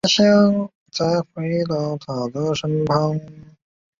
对跑道入侵的定义比美国联邦航空管理局原先的定义更为宽泛。